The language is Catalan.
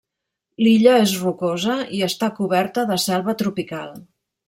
L'illa és rocosa i està coberta de selva tropical.